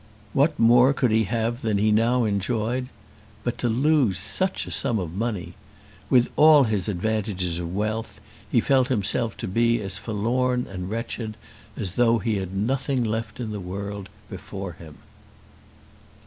What more could he have than he now enjoyed? But to lose such a sum of money! With all his advantages of wealth he felt himself to be as forlorn and wretched as though he had nothing left in the world before him.